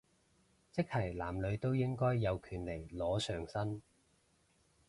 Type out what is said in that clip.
即係男女都應該有權利裸上身